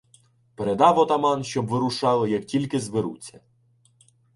Передав отаман, щоб вирушали, як тільки зберуться.